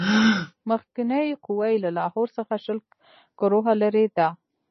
مخکنۍ قوه یې له لاهور څخه شل کروهه لیري ده.